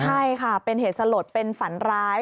ใช่ค่ะเป็นเหตุสลดเป็นฝันร้าย